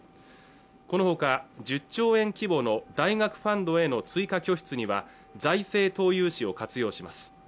このほか１０兆円規模の大学ファンドへの追加拠出には財政投融資を活用します